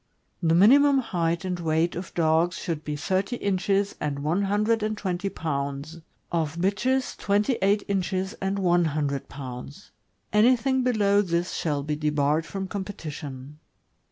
The minimum height and weight of dogs should be thirty inches and one hun dred and twenty pounds; of bitches, twenty eight inches and one hundred pounds. Anything below this shall be debarred from competition.